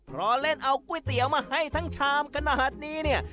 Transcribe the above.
เพราะเล่นเอาก๋วยเตี๋ยวมาให้ทั้งชามขนาดนี้เนี่ย